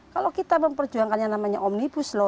kalau kita memperjuangkan yang namanya omnibus law